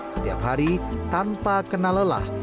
setiap hari tanpa kenalalah